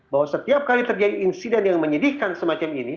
bahwa setiap kali terjadi insiden yang menyedihkan semacam ini